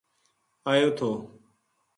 ایو تھو